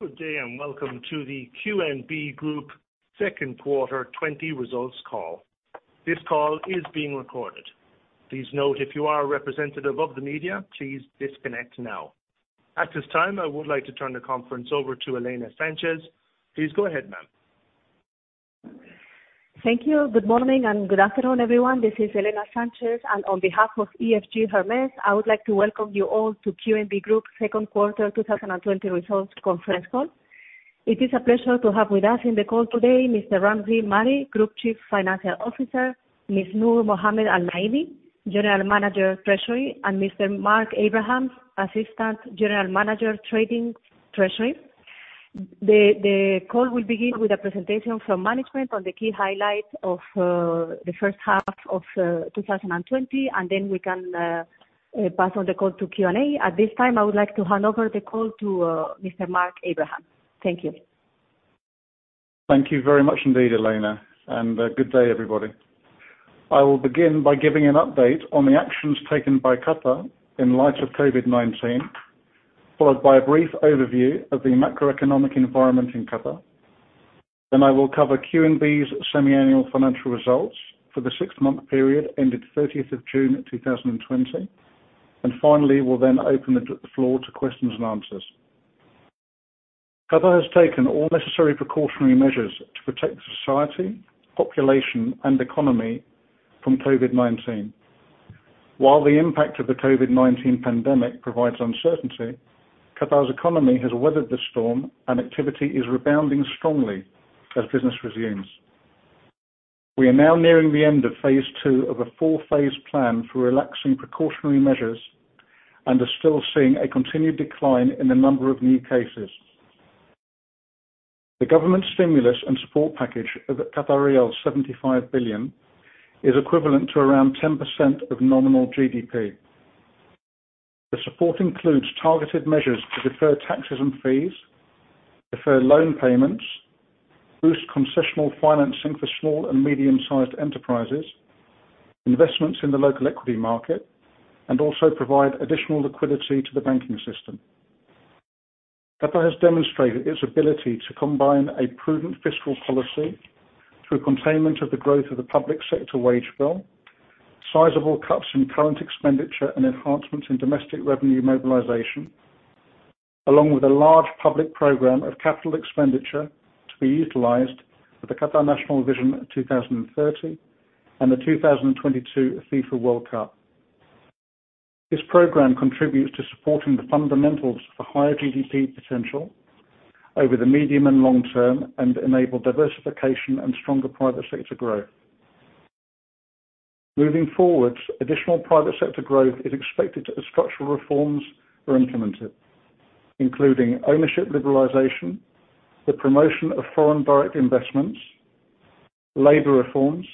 Welcome to the QNB Group second quarter 2020 results call. This call is being recorded. Please note if you are a representative of the media, please disconnect now. At this time, I would like to turn the conference over to Elena Sanchez-Cabezudo. Please go ahead, ma'am. Thank you. Good morning. Good afternoon, everyone. This is Elena Sanchez-Cabezudo. On behalf of EFG Hermes, I would like to welcome you all to QNB Group second quarter 2020 results conference call. It is a pleasure to have with us in the call today, Mr. Ramzi Mari, Group Chief Financial Officer, Ms. Noor Mohamed Al-Naimi, General Manager of Treasury, and Mr. Mark Abrahams, Assistant General Manager of Trading Treasury. The call will begin with a presentation from management on the key highlights of the first half of 2020. Then we can pass on the call to Q&A. At this time, I would like to hand over the call to Mr. Mark Abrahams. Thank you. Thank you very much indeed, Elena. Good day, everybody. I will begin by giving an update on the actions taken by Qatar in light of COVID-19, followed by a brief overview of the macroeconomic environment in Qatar. I will cover QNB's semi-annual financial results for the six-month period ended 30th of June 2020. Finally, we will then open the floor to questions and answers. Qatar has taken all necessary precautionary measures to protect the society, population, and economy from COVID-19. While the impact of the COVID-19 pandemic provides uncertainty, Qatar's economy has weathered the storm, and activity is rebounding strongly as business resumes. We are now nearing the end of phase 2 of a four-phase plan for relaxing precautionary measures and are still seeing a continued decline in the number of new cases. The government stimulus and support package of 75 billion is equivalent to around 10% of nominal GDP. The support includes targeted measures to defer taxes and fees, defer loan payments, boost concessional financing for small and medium-sized enterprises, investments in the local equity market, and also provide additional liquidity to the banking system. Qatar has demonstrated its ability to combine a prudent fiscal policy through containment of the growth of the public sector wage bill, sizable cuts in current expenditure, and enhancements in domestic revenue mobilization, along with a large public program of capital expenditure to be utilized for the Qatar National Vision 2030 and the 2022 FIFA World Cup. This program contributes to supporting the fundamentals for higher GDP potential over the medium and long term and enable diversification and stronger private sector growth. Moving forward, additional private sector growth is expected as structural reforms are implemented, including ownership liberalization, the promotion of foreign direct investments, labor reforms,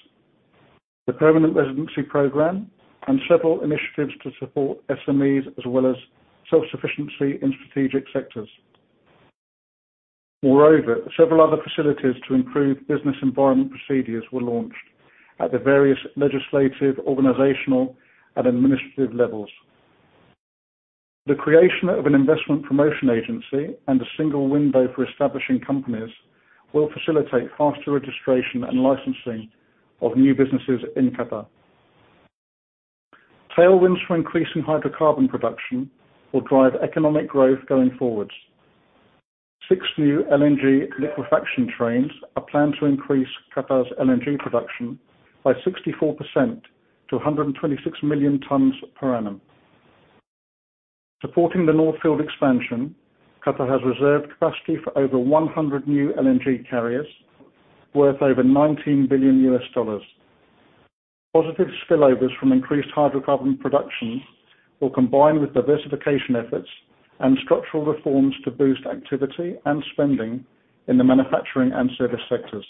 the permanent residency program, and several initiatives to support SMEs, as well as self-sufficiency in strategic sectors. Several other facilities to improve business environment procedures were launched at the various legislative, organizational, and administrative levels. The creation of an investment promotion agency and a single window for establishing companies will facilitate faster registration and licensing of new businesses in Qatar. Tailwinds for increasing hydrocarbon production will drive economic growth going forward. six new LNG liquefaction trains are planned to increase Qatar's LNG production by 64% to 126 million tons per annum. Supporting the North Field expansion, Qatar has reserved capacity for over 100 new LNG carriers worth over QAR 19 billion. Positive spillovers from increased hydrocarbon production will combine with diversification efforts and structural reforms to boost activity and spending in the manufacturing and service sectors.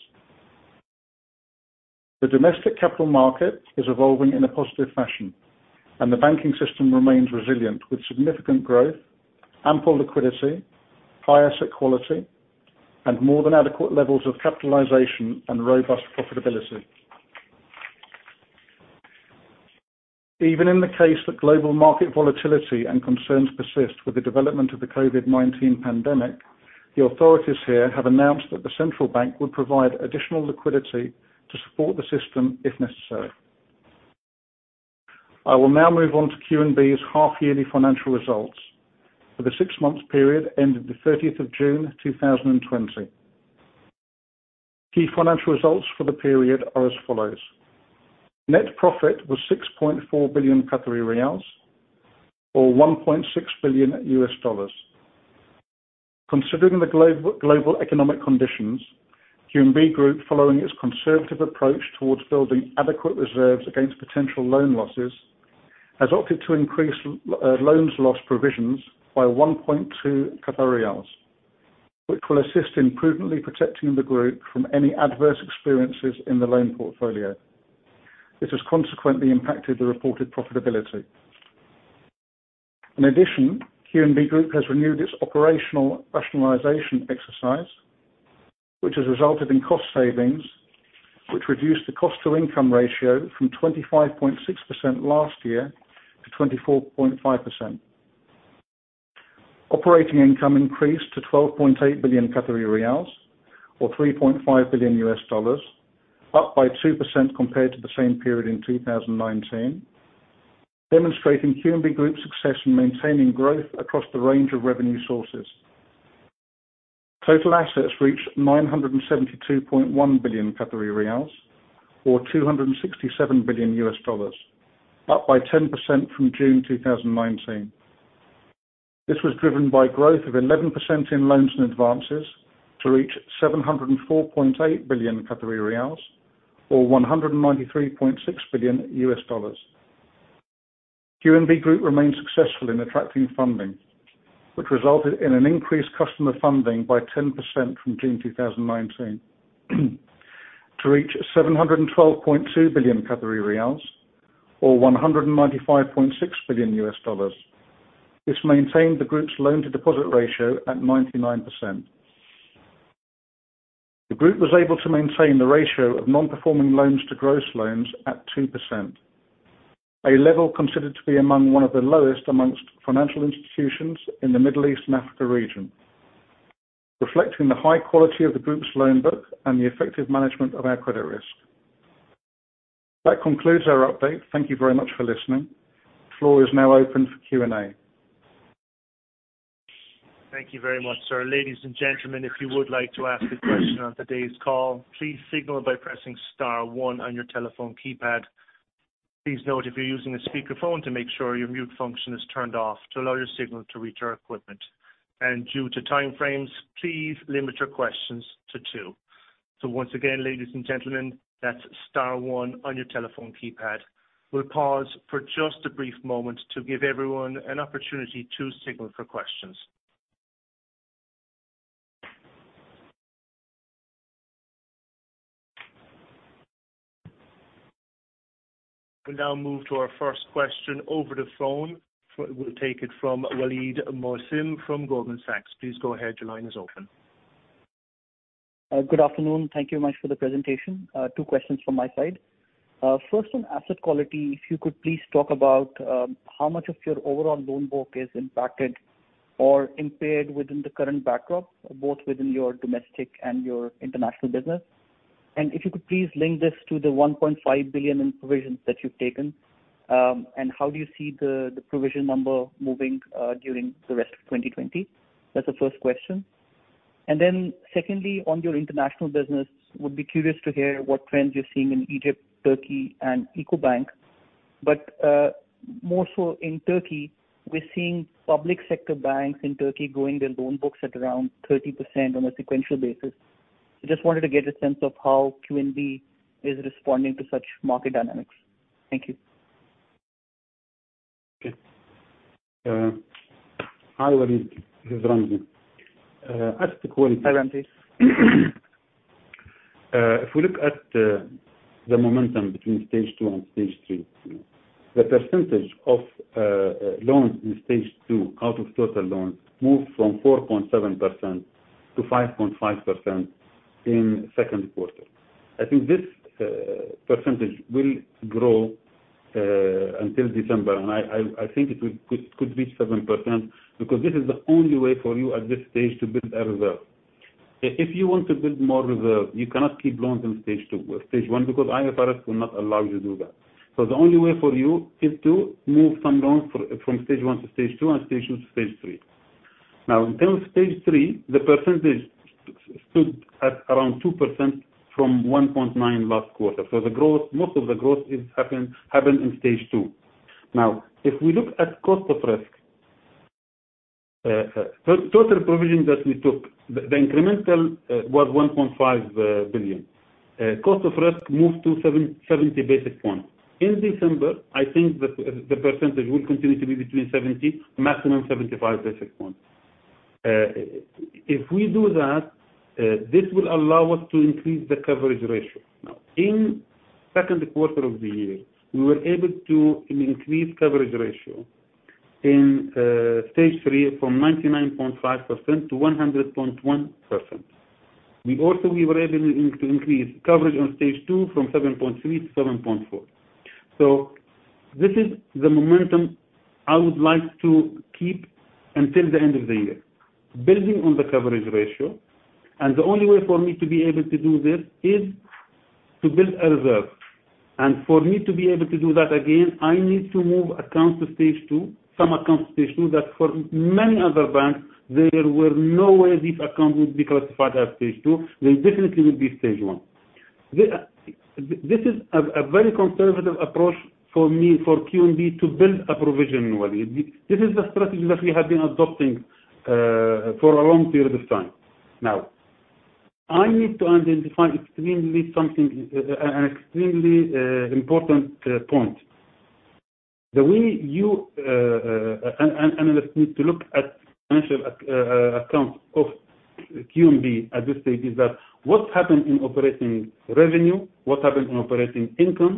The domestic capital market is evolving in a positive fashion, and the banking system remains resilient with significant growth, ample liquidity, higher asset quality, and more than adequate levels of capitalization and robust profitability. Even in the case that global market volatility and concerns persist with the development of the COVID-19 pandemic, the authorities here have announced that the central bank would provide additional liquidity to support the system if necessary. I will now move on to QNB's half-yearly financial results for the six-month period ended the 30th of June 2020. Key financial results for the period are as follows. Net profit was 6.4 billion Qatari riyals or QAR 1.6 billion. Considering the global economic conditions, QNB Group, following its conservative approach towards building adequate reserves against potential loan losses, has opted to increase loans loss provisions by 1.2 billion riyals, which will assist in prudently protecting the group from any adverse experiences in the loan portfolio. This has consequently impacted the reported profitability. QNB Group has renewed its operational rationalization exercise which has resulted in cost savings, which reduced the cost to income ratio from 25.6% last year to 24.5%. Operating income increased to 12.8 billion Qatari riyals, or $3.5 billion, up by 2% compared to the same period in 2019, demonstrating QNB Group success in maintaining growth across the range of revenue sources. Total assets reached 972.1 billion Qatari riyals, or $267 billion, up by 10% from June 2019. This was driven by growth of 11% in loans and advances to reach 704.8 billion Qatari riyals, or $193.6 billion. QNB Group remains successful in attracting funding, which resulted in an increased customer funding by 10% from June 2019, to reach QAR 712.2 billion, or $195.6 billion. This maintained the group's loan to deposit ratio at 99%. The group was able to maintain the ratio of non-performing loans to gross loans at 2%, a level considered to be among one of the lowest amongst financial institutions in the Middle East and Africa region, reflecting the high quality of the group's loan book and the effective management of our credit risk. That concludes our update. Thank you very much for listening. The floor is now open for Q&A. Thank you very much, sir. Ladies and gentlemen, if you would like to ask a question on today's call, please signal by pressing star one on your telephone keypad. Please note, if you're using a speakerphone, to make sure your mute function is turned off to allow your signal to reach our equipment. Due to time frames, please limit your questions to two. Once again, ladies and gentlemen, that's star one on your telephone keypad. We'll pause for just a brief moment to give everyone an opportunity to signal for questions. We'll now move to our first question over the phone. We'll take it from Waleed Mohsin from Goldman Sachs. Please go ahead. Your line is open. Good afternoon. Thank you much for the presentation. Two questions from my side. First, on asset quality, if you could please talk about how much of your overall loan book is impacted or impaired within the current backdrop, both within your domestic and your international business. If you could please link this to the 1.5 billion in provisions that you've taken, and how do you see the provision number moving during the rest of 2020? That's the first question. Secondly, on your international business, would be curious to hear what trends you're seeing in Egypt, Turkey, and Ecobank. More so in Turkey, we're seeing public sector banks in Turkey growing their loan books at around 30% on a sequential basis. Just wanted to get a sense of how QNB is responding to such market dynamics. Thank you. Okay. Hi, Waleed. This is Rhanji. Asset quality. Hi, Rhanji. If we look at the momentum between stage 2 and stage 3, the percentage of loans in stage 2 out of total loans moved from 4.7% to 5.5% in the second quarter. This percentage will grow until December, and I think it could reach 7% because this is the only way for you at this stage to build a reserve. If you want to build more reserve, you cannot keep loans in stage 2 or stage 1 because IFRS will not allow you to do that. The only way for you is to move some loans from stage 1 to stage 2 and stage 2 to stage 3. In terms of stage 3, the percentage stood at around 2% from 1.9 last quarter. Most of the growth happened in stage 2. If we look at cost of risk, total provisions that we took, the incremental was 1.5 billion. Cost of risk moved to 70 basis points. In December, I think the percentage will continue to be between 70, maximum 75 basis points. This will allow us to increase the coverage ratio. In the second quarter of the year, we were able to increase coverage ratio in stage 3 from 99.5% to 100.1%. We also were able to increase coverage on stage 2 from 7.3% to 7.4%. This is the momentum I would like to keep until the end of the year. Building on the coverage ratio, the only way for me to be able to do this is to build a reserve. For me to be able to do that, again, I need to move accounts to stage 2, some accounts to stage 2, that for many other banks, there were no way these accounts would be classified as stage 2. They definitely would be stage 1. This is a very conservative approach for me, for QNB, to build a provision, Waleed. This is the strategy that we have been adopting for a long period of time. I need to identify an extremely important point. The way analysts need to look at financial accounts of QNB at this stage is that what happened in operating revenue, what happened in operating income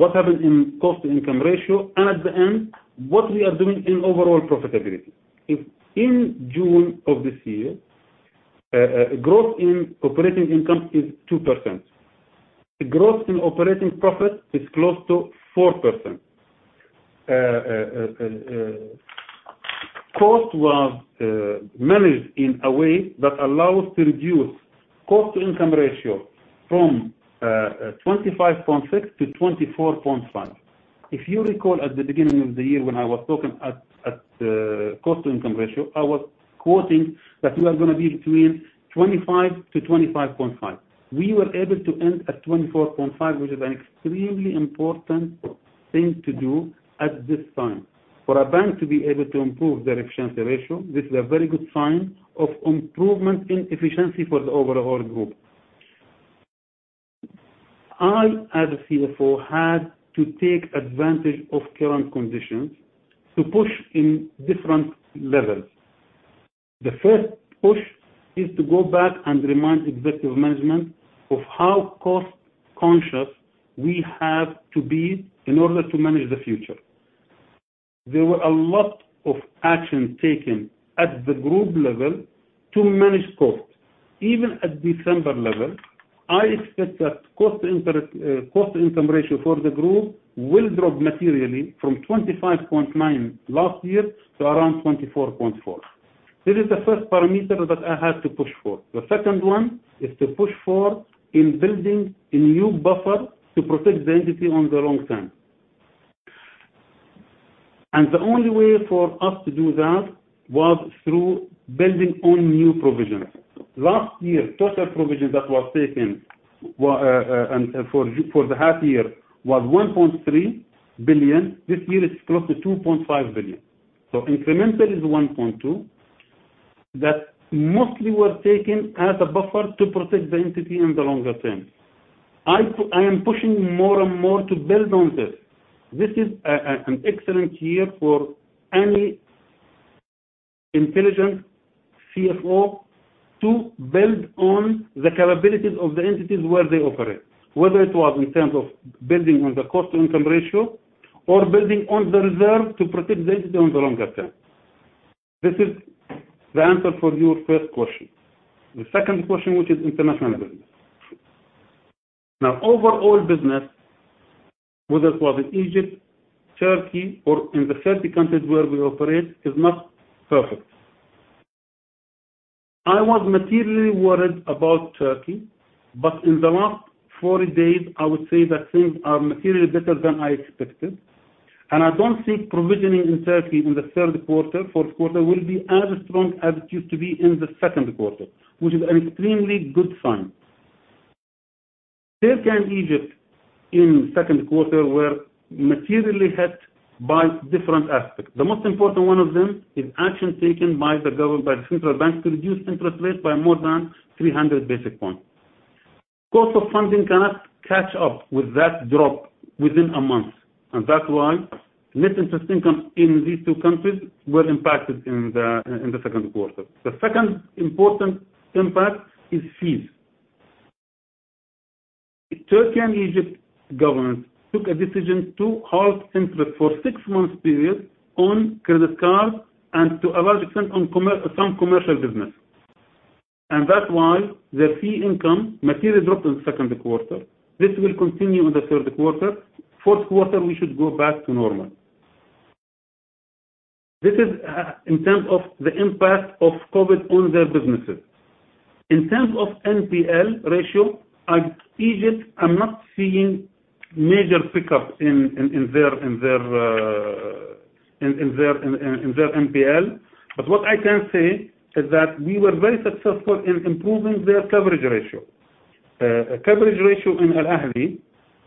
What happened in cost-to-income ratio, and at the end, what we are doing in overall profitability. In June of this year, growth in operating income is 2%. The growth in operating profit is close to 4%. Cost was managed in a way that allows to reduce cost-to-income ratio from 25.6% to 24.5%. If you recall at the beginning of the year when I was talking at the cost-to-income ratio, I was quoting that we were going to be between 25% to 25.5%. We were able to end at 24.5%, which is an extremely important thing to do at this time. For a bank to be able to improve their efficiency ratio, this is a very good sign of improvement in efficiency for the overall group. I, as a CFO, had to take advantage of current conditions to push in different levels. The first push is to go back and remind executive management of how cost-conscious we have to be in order to manage the future. There were a lot of actions taken at the group level to manage costs. Even at December level, I expect that cost-to-income ratio for the group will drop materially from 25.9% last year to around 24.4%. This is the first parameter that I had to push for. The second one is to push for in building a new buffer to protect the entity on the long term. The only way for us to do that was through building on new provisions. Last year, total provisions that were taken for the half year was $1.3 billion. This year, it's close to $2.5 billion. So incremental is $1.2 billion. That mostly was taken as a buffer to protect the entity in the longer term. I am pushing more and more to build on this. This is an excellent year for any intelligent CFO to build on the capabilities of the entities where they operate, whether it was in terms of building on the cost-to-income ratio or building on the reserve to protect the entity on the longer term. This is the answer for your first question. The second question, which is international business. Overall business, whether it was in Egypt, Turkey, or in the 30 countries where we operate, is not perfect. I was materially worried about Turkey, but in the last 40 days, I would say that things are materially better than I expected, and I don't see provisioning in Turkey in the third quarter, fourth quarter, will be as strong as it used to be in the second quarter, which is an extremely good sign. Turkey and Egypt in the second quarter were materially hit by different aspects. The most important one of them is action taken by the government, by the central bank, to reduce interest rates by more than 300 basis points. Cost of funding cannot catch up with that drop within a month. That's why net interest income in these two countries was impacted in the second quarter. The second important impact is fees. Turkey and Egypt governments took a decision to halt interest for six months period on credit cards and to a large extent on some commercial business. That's why the fee income materially dropped in the second quarter. This will continue in the third quarter. Fourth quarter, we should go back to normal. This is in terms of the impact of COVID on their businesses. In terms of NPL ratio, Egypt, I'm not seeing major pickup in their NPL. What I can say is that we were very successful in improving their coverage ratio. Coverage ratio in QNB Alahli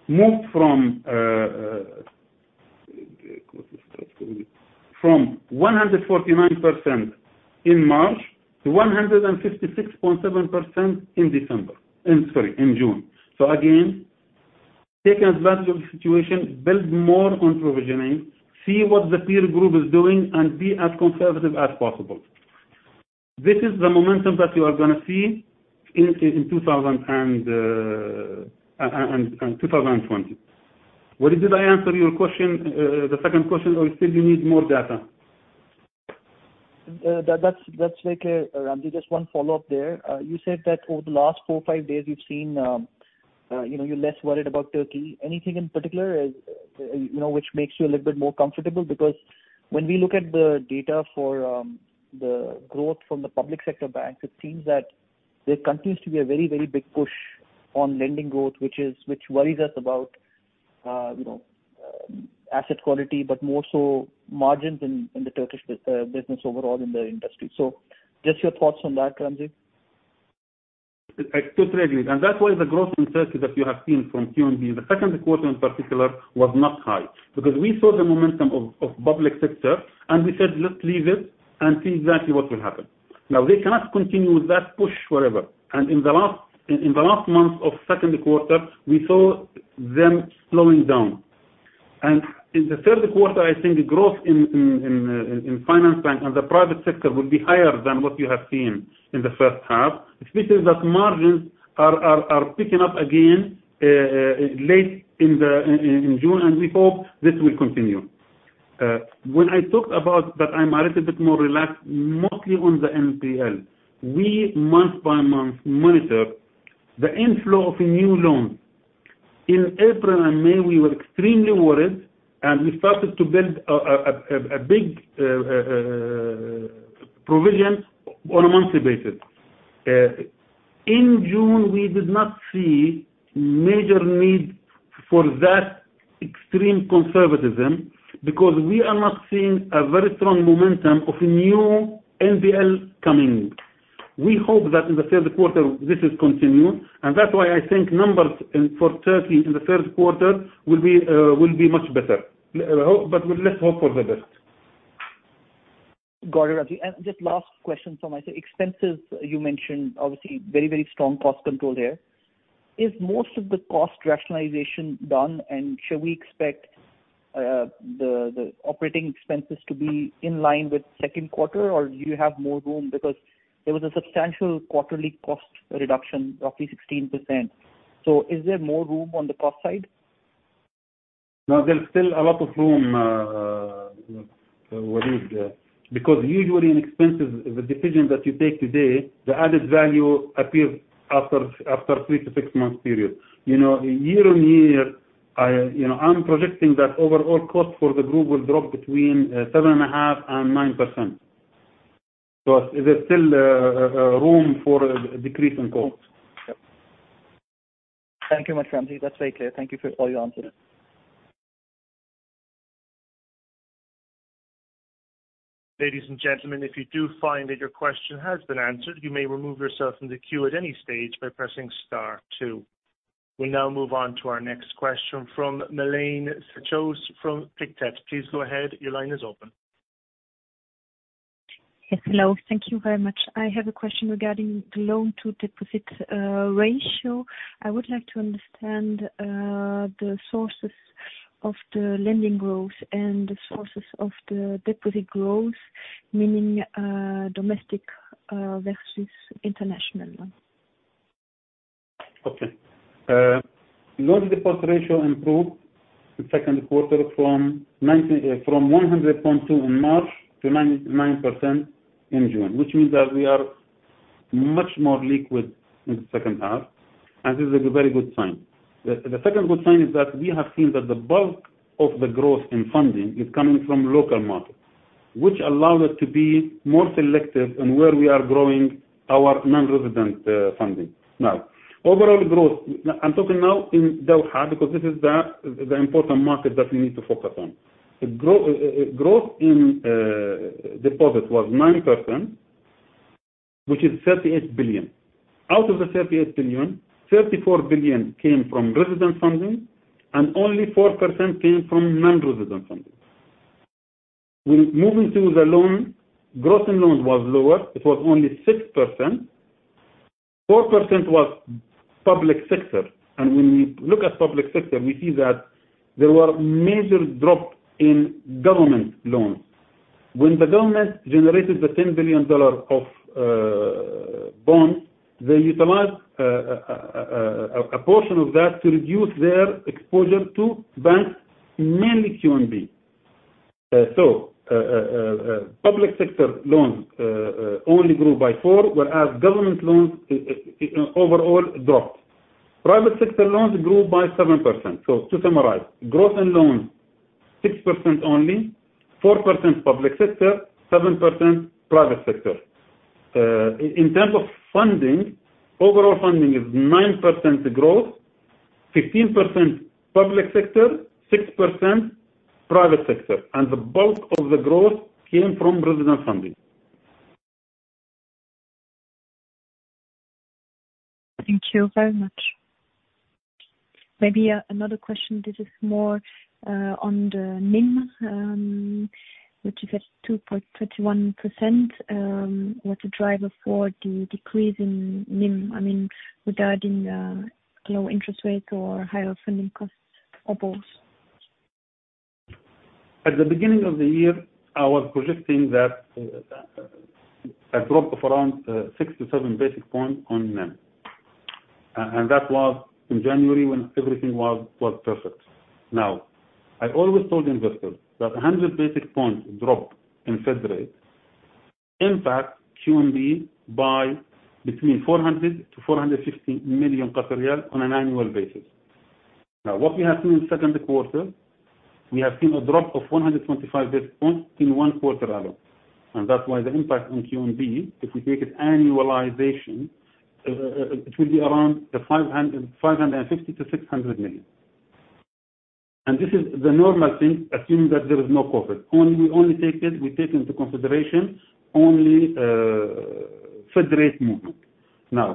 moved from, what is that? From 149% in March to 156.7% in December, sorry, in June. Again, take advantage of the situation, build more on provisioning, see what the peer group is doing, be as conservative as possible. This is the momentum that you are going to see in 2020. Did I answer your question, the second question, or still you need more data? That's very clear, Ramzi. Just one follow-up there. You said that over the last four, five days, you've seen, you're less worried about Turkey. Anything in particular which makes you a little bit more comfortable? Because when we look at the data for the growth from the public sector banks, it seems that there continues to be a very, very big push on lending growth, which worries us about asset quality, but more so margins in the Turkish business overall in the industry. Just your thoughts on that, Ramzi. I totally agree. That's why the growth in Turkey that you have seen from QNB, the second quarter in particular, was not high because we saw the momentum of public sector and we said, "Let's leave it and see exactly what will happen." They cannot continue with that push forever. In the last month of second quarter, we saw them slowing down. In the third quarter, I think growth in Finansbank and the private sector will be higher than what you have seen in the first half, especially that margins are picking up again late in June, and we hope this will continue. When I talk about that I'm a little bit more relaxed, mostly on the NPL, we month by month monitor the inflow of new loans. In April and May, we were extremely worried, and we started to build a big provision on a monthly basis. In June, we did not see major need for that extreme conservatism because we are not seeing a very strong momentum of new NPL coming. We hope that in the third quarter, this is continued, and that's why I think numbers for Turkey in the third quarter will be much better. Let's hope for the best. Got it, Ramzi. Just last question from myself. Expenses, you mentioned, obviously very, very strong cost control there. Is most of the cost rationalization done, and should we expect the operating expenses to be in line with second quarter, or do you have more room? Because there was a substantial quarterly cost reduction, roughly 16%. Is there more room on the cost side? No, there's still a lot of room, Waleed. Because usually in expenses, the decision that you take today, the added value appears after three to six months period. Year-over-year, I'm projecting that overall cost for the group will drop between 7.5% and 9%. There's still room for a decrease in cost. Yep. Thank you much, Ramzi. That's very clear. Thank you for all your answers. Ladies and gentlemen, if you do find that your question has been answered, you may remove yourself from the queue at any stage by pressing star two. We now move on to our next question from Melaine Tan from Pictet. Please go ahead. Your line is open. Yes. Hello. Thank you very much. I have a question regarding the loan-to-deposit ratio. I would like to understand the sources of the lending growth and the sources of the deposit growth, meaning domestic versus international loans. Loan deposit ratio improved in second quarter from 100.2 in March to 99% in June, which means that we are much more liquid in the second half, and this is a very good sign. The second good sign is that we have seen that the bulk of the growth in funding is coming from local markets, which allow us to be more selective on where we are growing our non-resident funding. Overall growth, I'm talking now in Doha, because this is the important market that we need to focus on. Growth in deposit was 9%, which is 38 billion. Out of the 38 billion, 34 billion came from resident funding, and only 4% came from non-resident funding. Moving to the loan, growth in loans was lower. It was only 6%. 4% was public sector. When we look at public sector, we see that there were major drop in government loans. The government generated the QAR 10 billion of bonds, they utilized a portion of that to reduce their exposure to banks, mainly QNB. Public sector loans only grew by 4%, whereas government loans overall dropped. Private sector loans grew by 7%. To summarize, growth in loans, 6% only, 4% public sector, 7% private sector. In terms of funding, overall funding is 9% growth, 15% public sector, 6% private sector, and the bulk of the growth came from resident funding. Thank you very much. Maybe another question. This is more on the NIM, which is at 2.31%. What's the driver for the decrease in NIM? I mean, regarding low interest rates or higher funding costs or both? At the beginning of the year, I was projecting that a drop of around six to seven basis points on NIM. That was in January when everything was perfect. I always told investors that 100 basis points drop in Fed rate impact QNB by between 400 million to 450 million on an annual basis. What we have seen in the second quarter, we have seen a drop of 125 basis points in one quarter alone. That's why the impact on QNB, if we take it annualization, it will be around 550 million to 600 million. This is the normal thing, assuming that there is no COVID. We take into consideration only Fed rate movement. As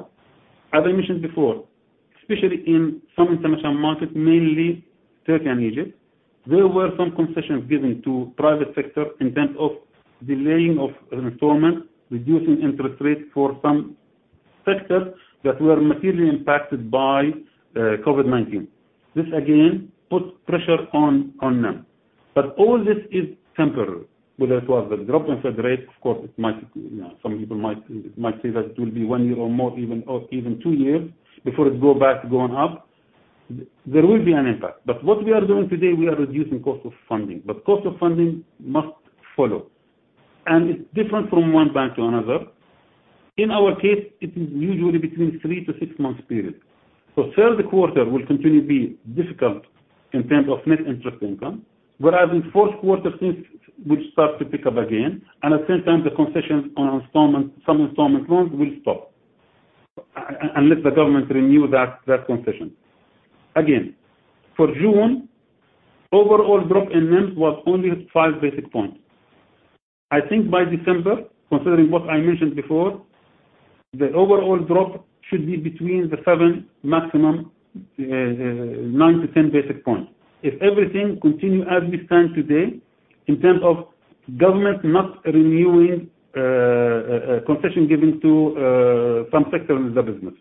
I mentioned before, especially in some international markets, mainly Turkey and Egypt, there were some concessions given to private sector in terms of delaying of installments, reducing interest rates for some sectors that were materially impacted by COVID-19. This, again, puts pressure on them. All this is temporary. Whether it was the drop in Fed rates, of course, some people might say that it will be one year or more, or even two years before it goes back up. There will be an impact. What we are doing today, we are reducing cost of funding. Cost of funding must follow. It is different from one bank to another. In our case, it is usually between three to six months period. Third quarter will continue to be difficult in terms of net interest income. In fourth quarter, things will start to pick up again, at the same time, the concessions on some installment loans will stop. Unless the government renews that concession. For June, overall drop in NIMs was only five basic points. I think by December, considering what I mentioned before, the overall drop should be between the seven maximum, nine to 10 basic points, if everything continue as we stand today in terms of government not renewing concession given to some sectors in the business.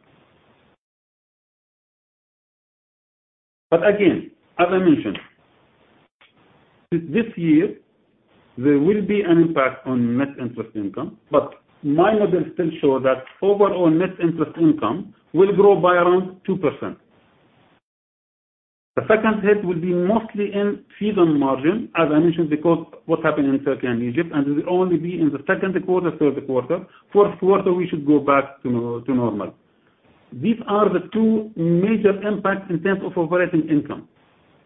Again, as I mentioned, this year there will be an impact on net interest income, but my model still show that overall net interest income will grow by around 2%. The second hit will be mostly in fees and margin, as I mentioned, because what happened in Turkey and Egypt, and it will only be in the second quarter, third quarter. Fourth quarter, we should go back to normal. These are the two major impacts in terms of operating income.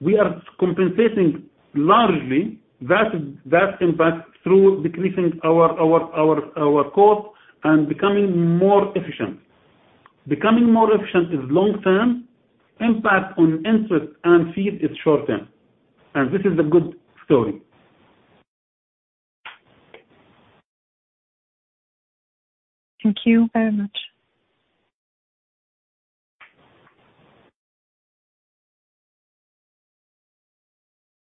We are compensating, largely, that impact through decreasing our costs and becoming more efficient. Becoming more efficient is long-term. Impact on interest and fees is short-term. This is the good story. Thank you very much.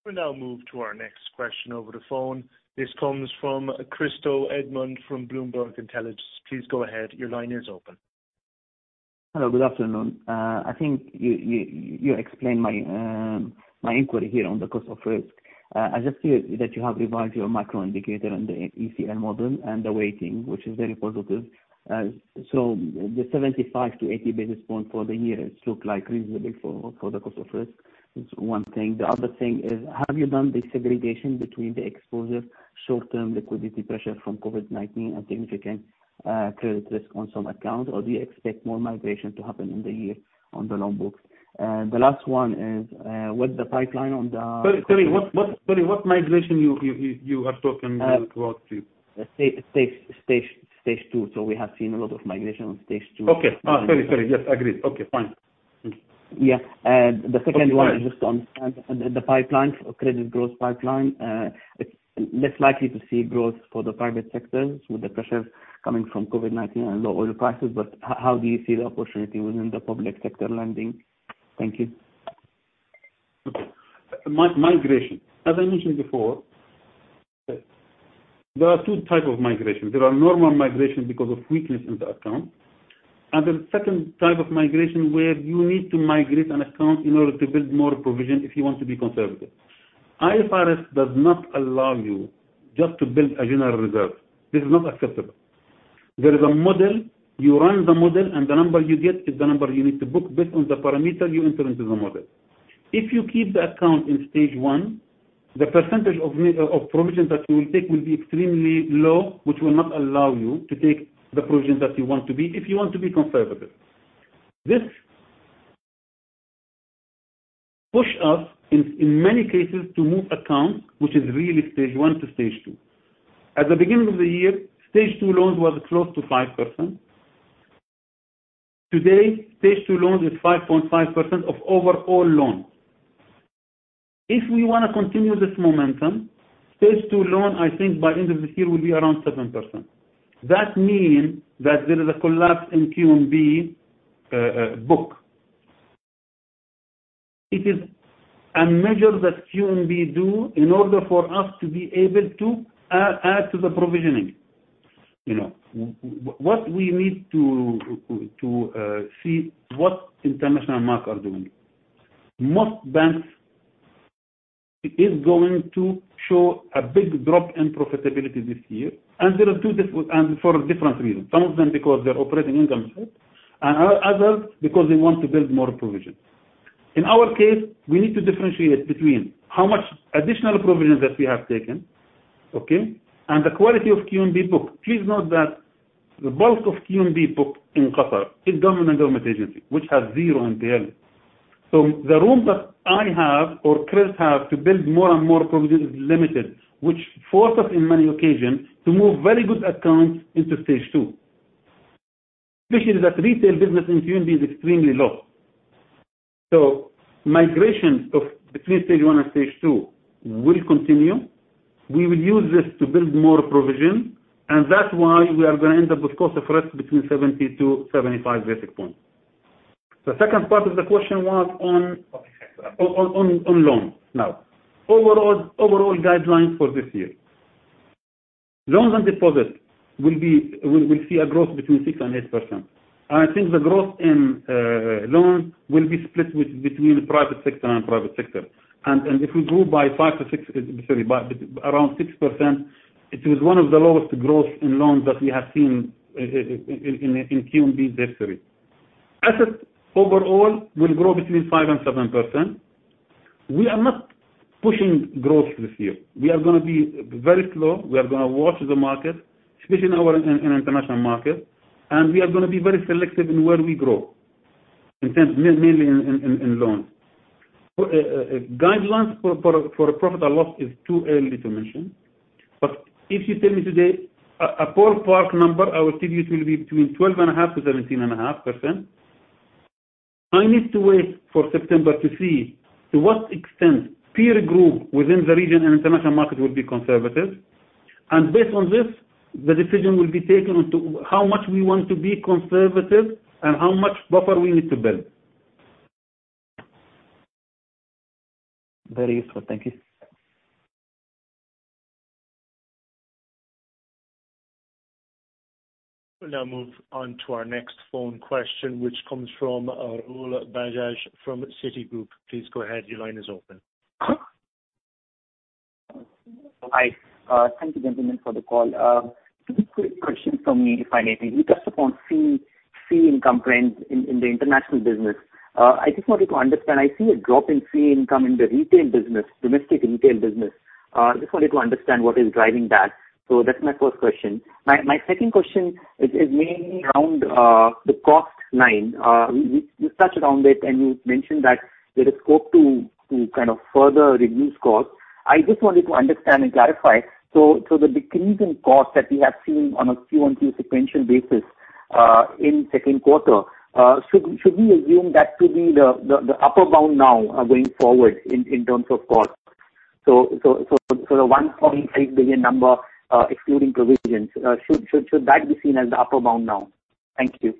We now move to our next question over the phone. This comes from Christo Edmund from Bloomberg Intelligence. Please go ahead. Your line is open. Hello, good afternoon. I think you explained my inquiry here on the cost of risk. I just see that you have revised your macro indicator and the ECL model, and the weighting, which is very positive. The 75 to 80 basis points for the year looks reasonable for the cost of risk, is one thing. The other thing is, have you done the segregation between the exposure short-term liquidity pressure from COVID-19 and significant credit risk on some accounts, or do you expect more migration to happen in the year on the loan books? The last one is, what the pipeline on the. Sorry. What migration you are talking about? Stage 2. We have seen a lot of migration on stage 2. Okay. Sorry. Yes, agreed. Okay, fine. Yeah. The second one. Okay, fine. is just to understand the credit growth pipeline. It's less likely to see growth for the private sectors with the pressure coming from COVID-19 and low oil prices, but how do you see the opportunity within the public sector lending? Thank you. Okay. Migration. As I mentioned before, there are 2 types of migration. There are normal migration because of weakness in the account, and the second type of migration, where you need to migrate an account in order to build more provision if you want to be conservative. IFRS does not allow you just to build a general reserve. This is not acceptable. There is a model. You run the model, and the number you get is the number you need to book based on the parameter you enter into the model. If you keep the account in stage 1, the percentage of provisions that you will take will be extremely low, which will not allow you to take the provisions that you want to be, if you want to be conservative. This push us, in many cases, to move accounts, which is really stage 1 to stage 2. At the beginning of the year, stage-2 loans was close to 5%. Today, stage-2 loans is 5.5% of overall loans. If we want to continue this momentum, stage-2 loan, I think by end of this year, will be around 7%. That means that there is a collapse in QNB book. It is a measure that QNB do in order for us to be able to add to the provisioning. What we need to see what international markets are doing. Most banks is going to show a big drop in profitability this year. For different reasons. Some of them because their operating income is hit, and others because they want to build more provisions. In our case, we need to differentiate between how much additional provisions that we have taken, okay, and the quality of QNB book. Please note that the bulk of QNB book in Qatar is government and government agency, which has zero NPA. The room that I have or Chris have to build more and more provisions is limited, which force us, in many occasions, to move very good accounts into stage 2. Especially that retail business in QNB is extremely low. Migrations between stage 1 and stage 2 will continue. We will use this to build more provision, and that's why we are going to end up with cost of risk between 70 to 75 basis points. The second part of the question was on loans. Overall guidelines for this year, loans and deposits will see a growth between 6% and 8%. I think the growth in loans will be split between private sector and private sector. If we grow by around 6%, it is one of the lowest growths in loans that we have seen in QNB's history. Assets overall will grow between 5% and 7%. We are not pushing growth this year. We are going to be very slow. We are going to watch the market, especially in our international market, and we are going to be very selective in where we grow, mainly in loans. Guidelines for profit or loss is too early to mention. If you tell me today a ballpark number, I will tell you it will be between 12.5% to 17.5%. I need to wait for September to see to what extent peer group within the region and international market will be conservative. Based on this, the decision will be taken on to how much we want to be conservative and how much buffer we need to build. Very useful. Thank you. We'll now move on to our next phone question, which comes from Rahul Bajaj from Citigroup. Please go ahead. Your line is open. Hi. Thank you, gentlemen, for the call. Two quick questions from me, if I may. You touched upon fee income trends in the international business. I just wanted to understand, I see a drop in fee income in the domestic retail business. I just wanted to understand what is driving that. That's my first question. My second question is mainly around the cost line. You touched on it and you mentioned that there is scope to kind of further reduce cost. I just wanted to understand and clarify. The decrease in cost that we have seen on a Q-on-Q sequential basis, in second quarter, should we assume that to be the upper bound now, going forward in terms of cost? The 1.8 billion number, excluding provisions, should that be seen as the upper bound now? Thank you.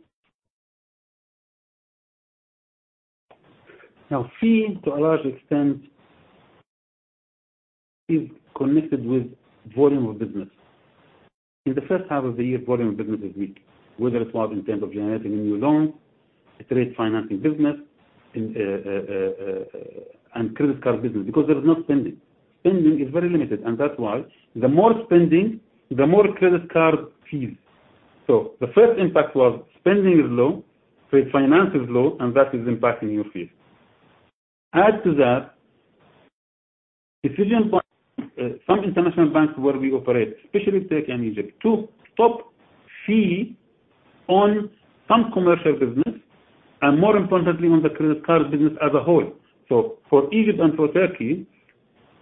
Fee, to a large extent, is connected with volume of business. In the first half of the year, volume of business is weak, whether it's in terms of generating a new loan, trade financing business, and credit card business, because there is no spending. Spending is very limited, and that's why the more spending, the more credit card fees. The first impact was spending is low, trade finance is low, and that is impacting your fees. Add to that, decision by some international banks where we operate, especially Turkey and Egypt, to stop fee on some commercial business and more importantly on the credit card business as a whole. For Egypt and for Turkey,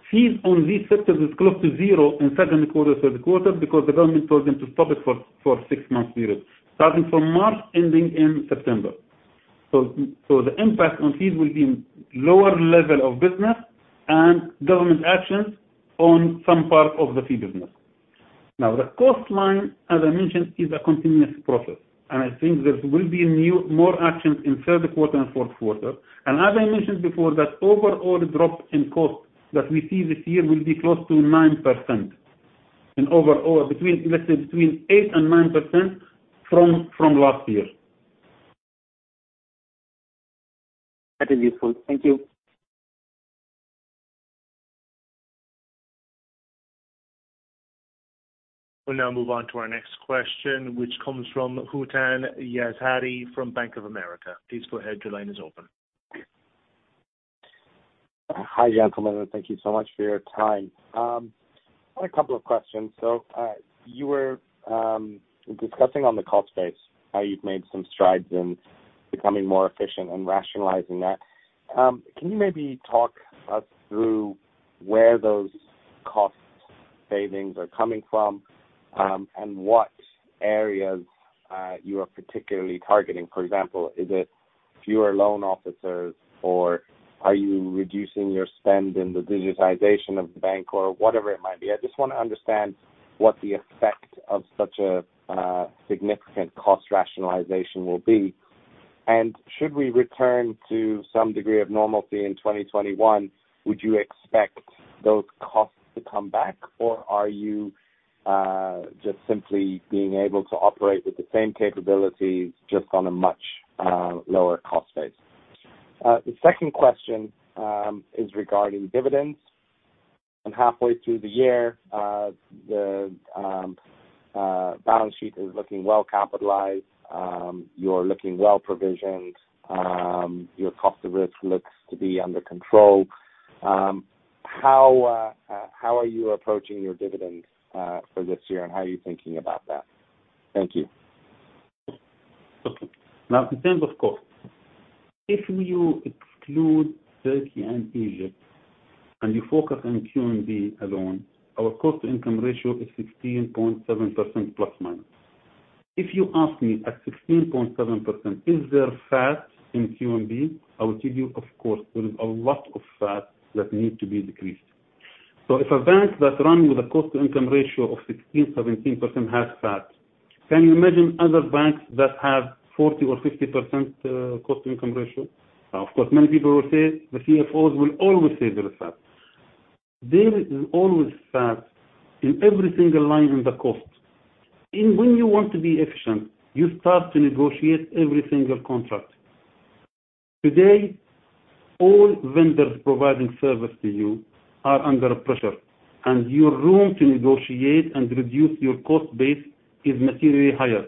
fees on these sectors is close to zero in second quarter, third quarter because the government told them to stop it for six months period, starting from March, ending in September. The impact on fees will be lower level of business and government actions on some part of the fee business. The cost line, as I mentioned, is a continuous process. I think there will be more actions in third quarter and fourth quarter. As I mentioned before, that overall drop in cost that we see this year will be close to 9%, in overall, between 8% and 9% from last year. That is useful. Thank you. We will now move on to our next question, which comes from Hootan Yazhari from Bank of America. Please go ahead. Your line is open. Hi, gentlemen. Thank you so much for your time. I have a couple of questions. You were discussing on the cost base, how you have made some strides in becoming more efficient and rationalizing that. Can you maybe talk us through where those cost savings are coming from? What areas you are particularly targeting? For example, is it fewer loan officers or are you reducing your spend in the digitization of the bank or whatever it might be? I just want to understand what the effect of such a significant cost rationalization will be. Should we return to some degree of normalcy in 2021, would you expect those costs to come back, or are you just simply being able to operate with the same capabilities, just on a much lower cost base? The second question is regarding dividends. Halfway through the year, the balance sheet is looking well capitalized. You're looking well provisioned. Your cost of risk looks to be under control. How are you approaching your dividends for this year, and how are you thinking about that? Thank you. In terms of cost, if you exclude Turkey and Egypt, and you focus on QNB alone, our cost-to-income ratio is 16.7% ±. If you ask me at 16.7%, is there fat in QNB? I will tell you, of course, there is a lot of fat that need to be decreased. If a bank that's running with a cost-to-income ratio of 16%, 17% has fat, can you imagine other banks that have 40% or 50% cost-to-income ratio? Of course, many people will say the CFOs will always say there is fat. There is always fat in every single line in the cost. When you want to be efficient, you start to negotiate every single contract. Today, all vendors providing service to you are under pressure, and your room to negotiate and reduce your cost base is materially higher.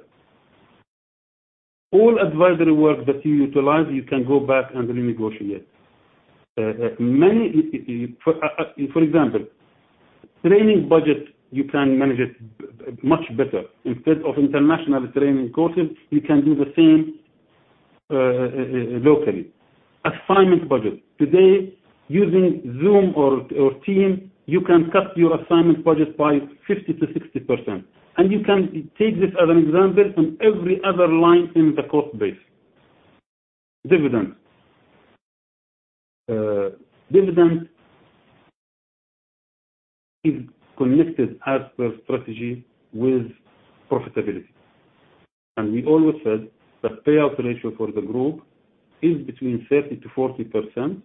All advisory work that you utilize, you can go back and renegotiate. For example, training budget, you can manage it much better. Instead of international training courses, you can do the same locally. Assignment budget. Today, using Zoom or Team, you can cut your assignment budget by 50%-60%. You can take this as an example on every other line in the cost base. Dividends. Dividends is connected as per strategy with profitability. We always said that payout ratio for the group is between 30%-40%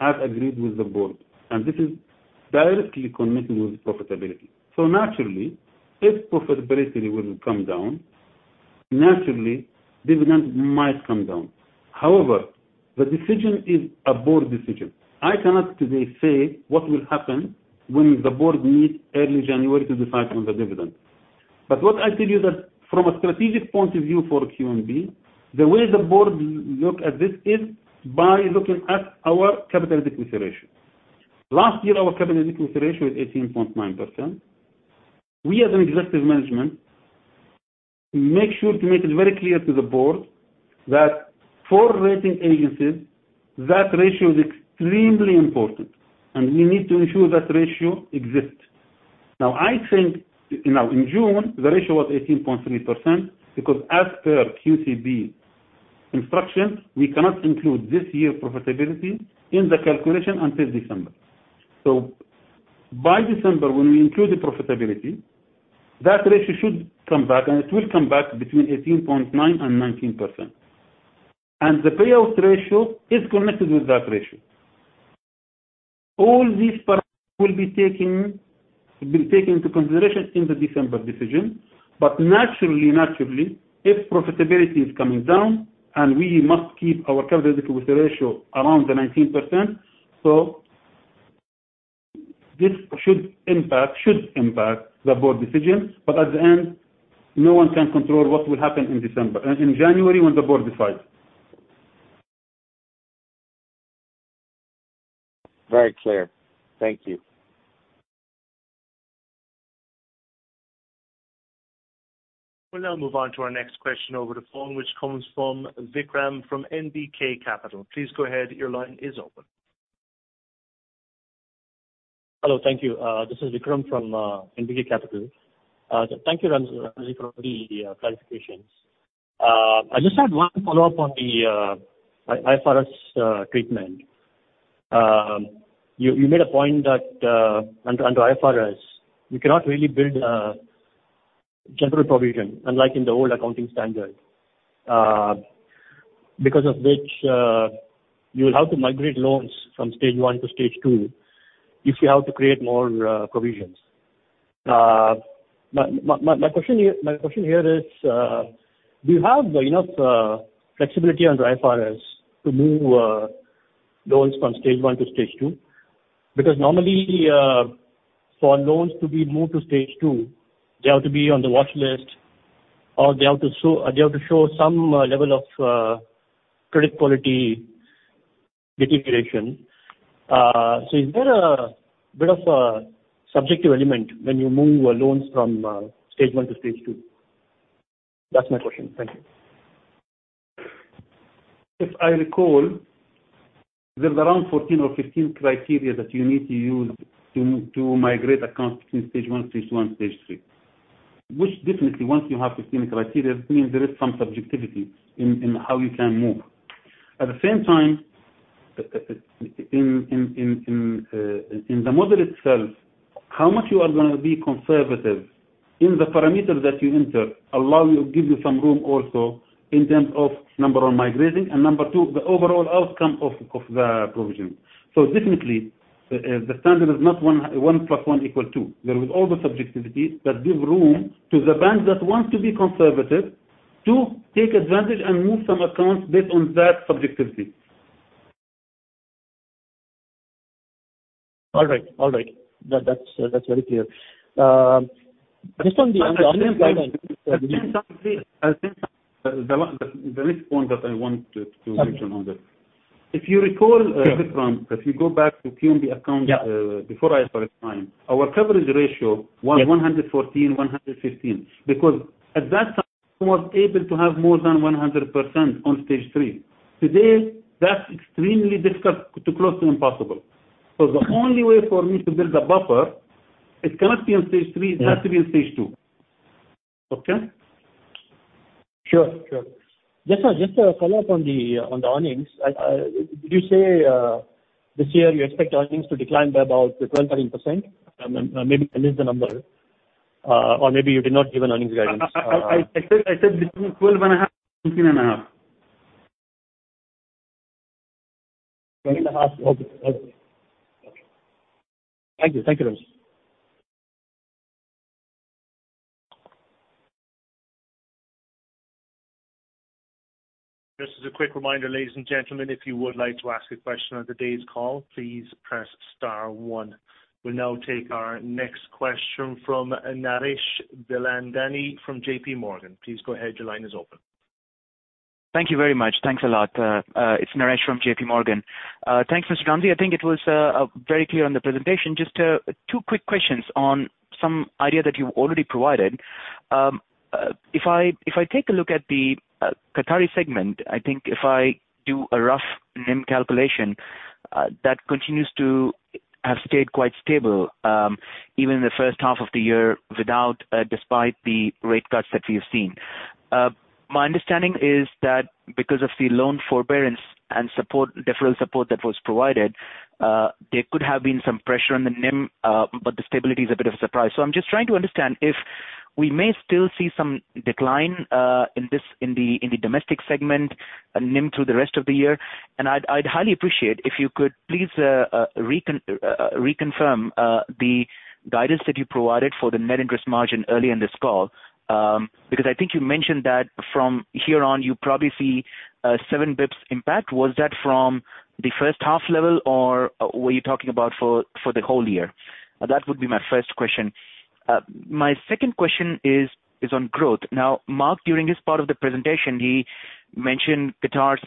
as agreed with the board, and this is directly connected with profitability. Naturally, if profitability will come down, naturally, dividends might come down. However, the decision is a board decision. I cannot today say what will happen when the board meets early January to decide on the dividend. What I tell you that from a strategic point of view for QNB, the way the board look at this is by looking at our capital adequacy ratio. Last year, our capital adequacy ratio was 18.9%. We, as an executive management, make sure to make it very clear to the board that for rating agencies, that ratio is extremely important, and we need to ensure that ratio exists. In June, the ratio was 18.3% because as per QCB instructions, we cannot include this year profitability in the calculation until December. By December, when we include the profitability, that ratio should come back, and it will come back between 18.9% and 19%. The payout ratio is connected with that ratio. All these parameters will be taken into consideration in the December decision, naturally, if profitability is coming down and we must keep our capital adequacy ratio around the 19%, this should impact the board decision. At the end, no one can control what will happen in January, when the board decides. Very clear. Thank you. We'll now move on to our next question over the phone, which comes from Vikram from NVK Capital. Please go ahead, your line is open. Hello. Thank you. This is Vikram from NVK Capital. Thank you, Ramzi, for the clarifications. I just had one follow-up on the IFRS treatment. You made a point that under IFRS, you cannot really build a general provision, unlike in the old accounting standard, because of which you will have to migrate loans from stage 1 to stage 2 if you have to create more provisions. My question here is, do you have enough flexibility under IFRS to move loans from stage 1 to stage 2? Because normally, for loans to be moved to stage 2, they have to be on the watch list, or they have to show some level of credit quality deterioration. Is there a bit of a subjective element when you move loans from stage 1 to stage 2? That's my question. Thank you. If I recall, there's around 14 or 15 criteria that you need to use to migrate accounts between stage 1, stage 2, and stage 3, which definitely, once you have 15 criteria, means there is some subjectivity in how you can move. At the same time, in the model itself, how much you are going to be conservative in the parameter that you enter allow you, give you some room also in terms of, number 1, migrating, and number 2, the overall outcome of the provision. Definitely, the standard is not one plus one equal two. There is all the subjectivity that give room to the bank that wants to be conservative to take advantage and move some accounts based on that subjectivity. All right. That's very clear. I think the next point that I want to mention on that. If you recall, Vikram, if you go back to QNB. Yeah before IFRS 9, our coverage ratio was 114, 115, because at that time, I was able to have more than 100% on stage 3. Today, that's extremely difficult to close to impossible. The only way for me to build a buffer, it cannot be on stage 3, it has to be on stage 2. Okay. Sure. Just a follow-up on the earnings. Did you say, this year you expect earnings to decline by about 12, 13%? Maybe I missed the number, or maybe you did not give an earnings guidance. I said between 12.5 and 17.5. 17.5. Okay. Thank you. Thank you, Ramzi. Just as a quick reminder, ladies and gentlemen, if you would like to ask a question on today's call, please press star one. We'll now take our next question from Naresh Bilandani from JPMorgan. Please go ahead. Your line is open. Thank you very much. Thanks a lot. It's Naresh from JP Morgan. Thanks, Mr. Ramzi. I think it was very clear on the presentation. Just two quick questions on some idea that you've already provided. If I take a look at the Qatari segment, I think if I do a rough NIM calculation, that continues to have stayed quite stable, even in the first half of the year despite the rate cuts that we have seen. My understanding is that because of the loan forbearance and deferral support that was provided, there could have been some pressure on the NIM, but the stability is a bit of a surprise. I'm just trying to understand if we may still see some decline in the domestic segment NIM through the rest of the year. I'd highly appreciate if you could please reconfirm the guidance that you provided for the net interest margin early in this call. I think you mentioned that from here on, you probably see seven basis points impact. Was that from the first half level, or were you talking about for the whole year? That would be my first question. My second question is on growth. Mark, during his part of the presentation, he mentioned Qatar's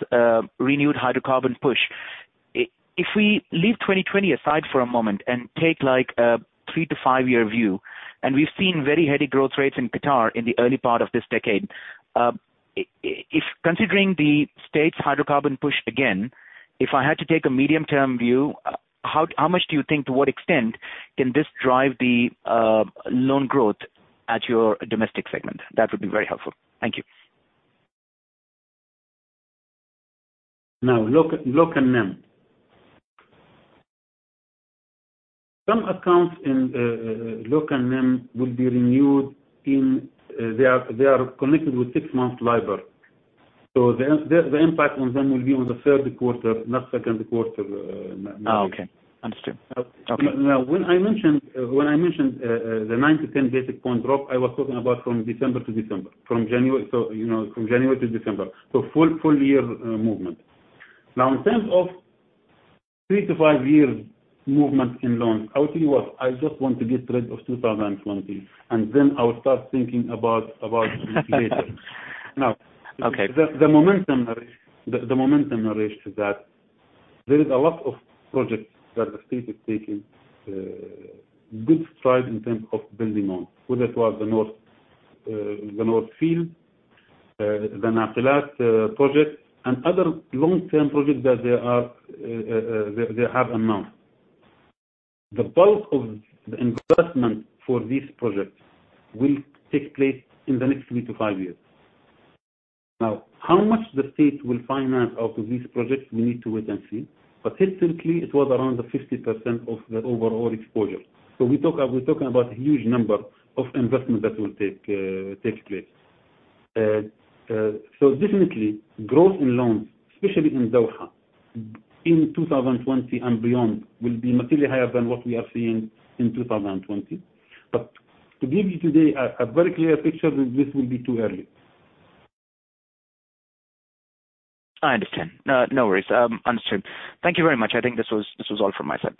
renewed hydrocarbon push. If we leave 2020 aside for a moment and take a three- to five-year view, and we've seen very heady growth rates in Qatar in the early part of this decade. If considering the state's hydrocarbon push again, if I had to take a medium-term view, how much do you think, to what extent can this drive the loan growth at your domestic segment? That would be very helpful. Thank you. Local NIM. Some accounts in local NIM will be renewed. They are connected with six months LIBOR. The impact on them will be on the third quarter, not second quarter. Oh, okay. Understood. Okay. When I mentioned the 9 to 10 basis point drop, I was talking about from December to December. From January to December. Full year movement. In terms of 3 to 5 years movement in loans, I'll tell you what, I just want to get rid of 2020, and then I will start thinking about this later. Okay. The momentum relates to that. There is a lot of projects that the state is taking good strides in terms of building on. Whether it was the North Field, the North Field project, and other long-term projects that they have announced. The bulk of the investment for these projects will take place in the next 3 to 5 years. How much the state will finance out of these projects, we need to wait and see. Historically, it was around the 50% of the overall exposure. We're talking about a huge number of investment that will take place. Definitely, growth in loans, especially in Doha, in 2020 and beyond, will be materially higher than what we are seeing in 2020. To give you today a very clear picture, this will be too early. I understand. No worries. Understood. Thank you very much. I think this was all from my side.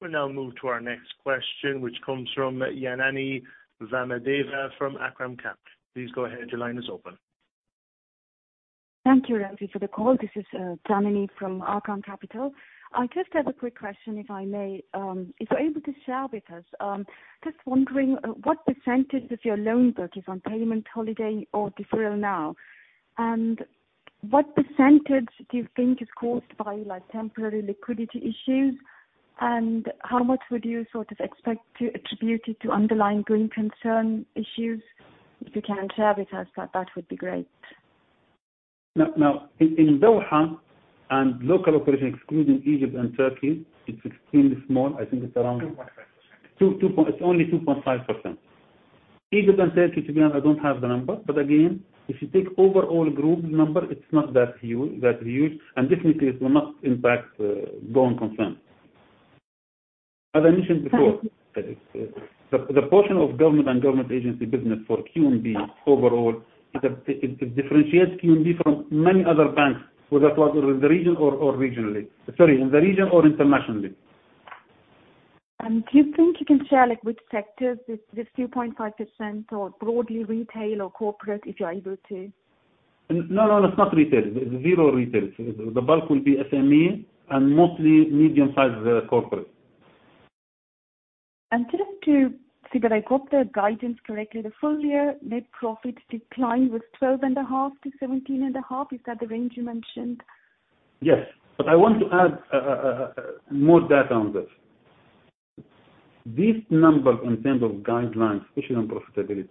We now move to our next question, which comes from Janany Vamadeva from Arqaam Capital. Please go ahead. Your line is open. Thank you, Ramzi, for the call. This is Janany from Arqaam Capital. I just have a quick question, if I may. If you're able to share with us, just wondering what % of your loan book is on payment holiday or deferral now, and what % do you think is caused by temporary liquidity issues, and how much would you sort of expect to attribute it to underlying growing concern issues? If you can share with us that would be great. Now, in Doha and local operations excluding Egypt and Turkey, it's extremely small. I think it's around 2.5%. It's only 2.5%. Egypt and Turkey, to be honest, I don't have the number. Again, if you take overall group number, it's not that huge. Definitely, it will not impact growing concern. As I mentioned before Sorry. The portion of government and government agency business for QNB overall, it differentiates QNB from many other banks, whether it was in the region or internationally. Do you think you can share, like which sectors this 2.5% or broadly retail or corporate, if you're able to? No, it's not retail. Zero retail. The bulk will be SME and mostly medium-sized corporate. Just to see that I got the guidance correctly, the full-year net profit decline was 12.5%-17.5%. Is that the range you mentioned? Yes, I want to add more data on this. This number in terms of guidelines, especially on profitability,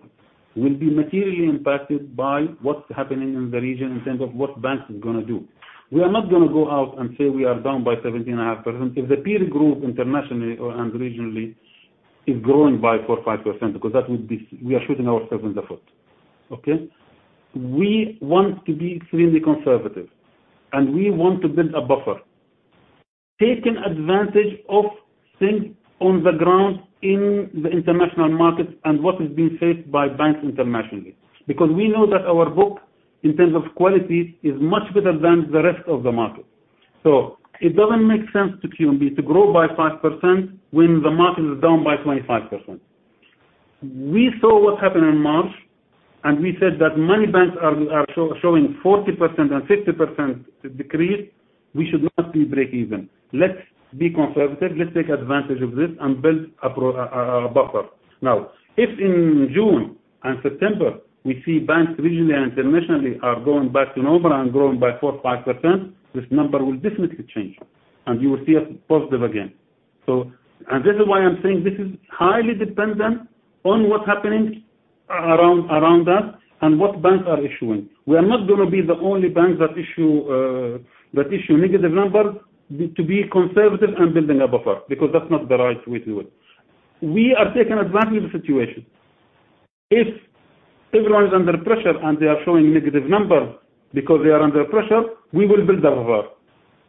will be materially impacted by what's happening in the region in terms of what banks are going to do. We are not going to go out and say we are down by 17.5% if the peer group internationally and regionally is growing by 4%, 5%, because that would be we are shooting ourselves in the foot. Okay? We want to be extremely conservative, and we want to build a buffer, taking advantage of things on the ground in the international markets and what is being said by banks internationally. We know that our book, in terms of quality, is much better than the rest of the market. It doesn't make sense to QNB to grow by 5% when the market is down by 25%. We saw what happened in March. We said that many banks are showing 40% and 50% decrease. We should not be breakeven. Let's be conservative. Let's take advantage of this and build a buffer. Now, if in June and September we see banks regionally and internationally are going back to normal and growing by 4% or 5%, this number will definitely change, and you will see us positive again. This is why I'm saying this is highly dependent on what's happening around us and what banks are issuing. We are not going to be the only bank that issue negative numbers to be conservative and building a buffer. That's not the right way to do it. We are taking advantage of the situation. If everyone is under pressure and they are showing negative numbers because they are under pressure, we will build a buffer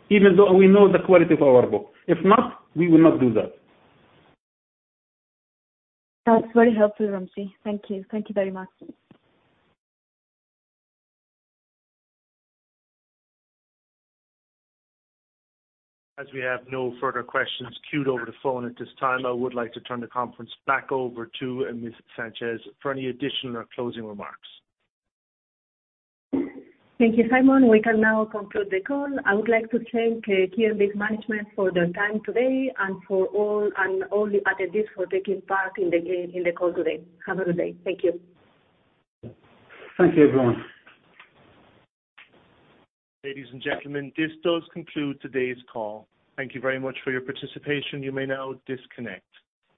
even though we know the quality of our book. If not, we will not do that. That's very helpful, Ramzi. Thank you. Thank you very much. As we have no further questions queued over the phone at this time, I would like to turn the conference back over to Ms. Sanchez for any additional or closing remarks. Thank you, Simon. We can now conclude the call. I would like to thank QNB management for their time today and all the attendees for taking part in the call today. Have a good day. Thank you. Thank you, everyone. Ladies and gentlemen, this does conclude today's call. Thank you very much for your participation. You may now disconnect.